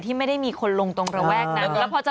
ที่ไม่ได้มีคนลงตรงระแวกนะ